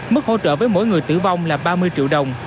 mức hỗ trợ với mỗi người tử vong là ba mươi triệu đồng